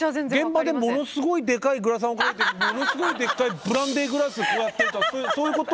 現場でものすごいでかいグラサンをかけてものすごいでっかいブランデーグラスこうやってとかそういうこと？